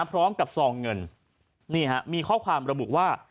พร้อมกับซองเงินนี่มีข้อความระบุว่า